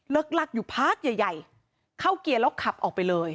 เลิกลักอยู่พาร์ทใหญ่เข้าเกียร์แล้วขับออกไปเลย